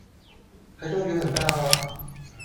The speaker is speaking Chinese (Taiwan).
臺中雨很大嗎？